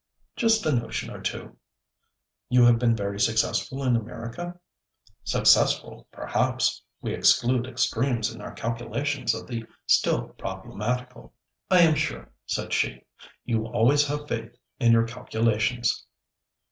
'Just a notion or two.' 'You have been very successful in America?' 'Successful; perhaps; we exclude extremes in our calculations of the still problematical.' 'I am sure,' said she, 'you always have faith in your calculations.'